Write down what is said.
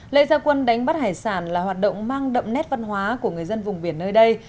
lễ gia quân đánh bắt hải sản là hoạt động mang đậm nét văn hóa của người dân vùng biển nơi đây